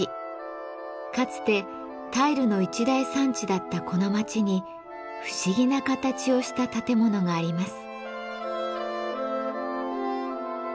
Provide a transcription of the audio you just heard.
かつてタイルの一大産地だったこの町に不思議な形をした建物があります。